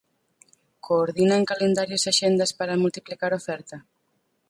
Coordinan calendarios e axendas para multiplicar a oferta?